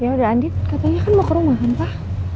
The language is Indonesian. ya udah adit katanya kan mau ke rumah kan pak